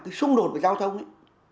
cái xung đột với giao thông ấy